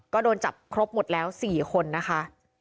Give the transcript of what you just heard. ก็โดนจับครบหมดแล้ว๔คนนะคะ